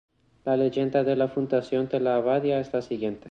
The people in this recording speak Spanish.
La leyenda de la fundación de la abadía es la siguiente.